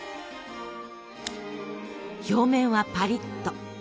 表面はパリッと。